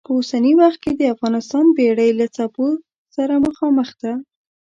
په اوسني وخت کې د افغانستان بېړۍ له څپو سره مخامخ ده.